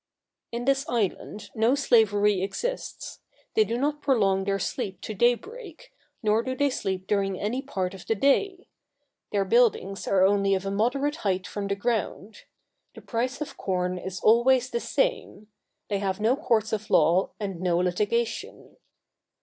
In this island no slavery exists; they do not prolong their sleep to day break, nor do they sleep during any part of the day; their buildings are only of a moderate height from the ground; the price of corn is always the same; they have no courts of law and no litigation.